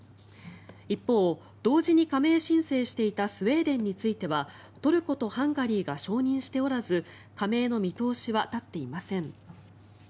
一方、同時に加盟申請していたスウェーデンについてはトルコとハンガリーが承認しておらず加盟の見通しは立っていません。